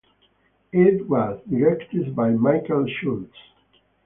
It was directed by Michael Schultz.